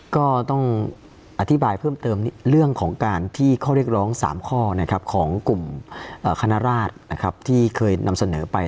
ก็ต้องอธิบายเพิ่มเติมเรื่องของการที่ข้อเรียกร้อง๓ข้อของกลุ่มคณราชที่เคยนำเสนอไป